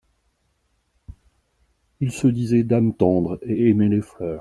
Il se disait d'âme tendre et aimait les fleurs.